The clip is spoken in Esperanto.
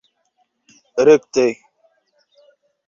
rekte